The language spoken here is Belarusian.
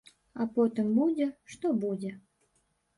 А потым будзе, што будзе.